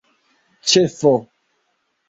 ĉefo